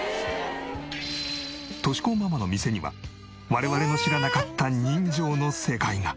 敏子ママの店には我々の知らなかった人情の世界が。